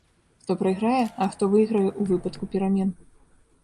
Хто прайграе, а хто выйграе ў выпадку перамен?